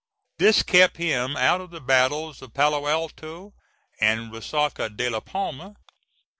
This kept him out of the battles of Palo Alto and Resaca de la Palma.